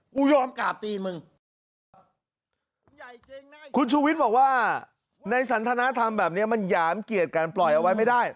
ยอมกราบตีมึงเหรอคุณชูวิทย์บอกว่าในสันทนธรรมแบบเนี้ยมันหยามเกียรติการปล่อยเอาไว้ไม่ได้